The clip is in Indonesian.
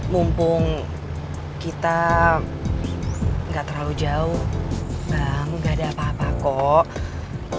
mumpung kita nggak terlalu jauh nggak ada apa apa kok